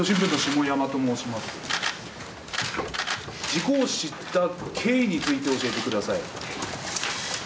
事故を知った経緯について教えてください。